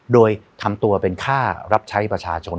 โดยทำตัวเป็นค่ารับใช้ประชาชน